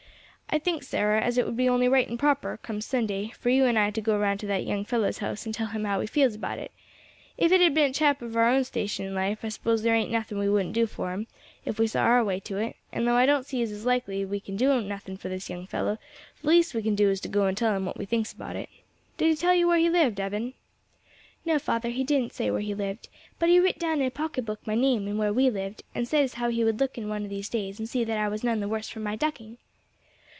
"I think, Sarah, as it would be only right and proper, come Sunday, for you and I to go round to that young fellow's house and tell him how we feels about it. If it had been a chap of our own station in life I suppose there ain't nothing we wouldn't do for him, if we saw our way to it; and though I don't see as it's likely as we can do nothing for this young fellow, the least as we can do is to go and tell him what we thinks about it. Did he tell you where he lived, Evan?" "No, father. He didn't say where he lived; but he writ down in a pocket book my name and where we lived, and said as how he would look in one of these days and see that I was none the worse for my ducking."